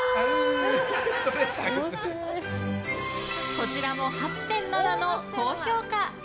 こちらも、８．７の高評価。